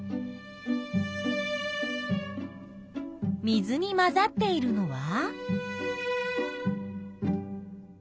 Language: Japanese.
水に混ざっているのは？